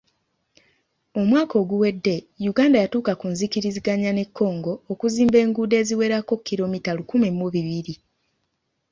Omwaka oguwedde, Uganda yatuuka ku nzikiriziganya ne Congo okuzimba enguudo eziwerako kkiromita lukumi mu bibiri.